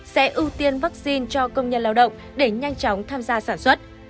sẽ ưu tiên vaccine cho công nhân lao động để nhanh chóng tham gia sản xuất